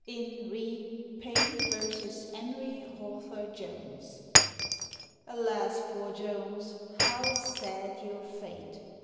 (IN RE PAYNE V. 'ENRY HAUTHOR JONES.) Alas, poor JONES, how sad your fate!